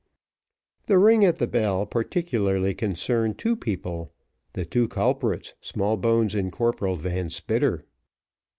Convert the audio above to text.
The ring at the bell particularly concerned two people, the two culprits, Smallbones and Corporal Van Spitter.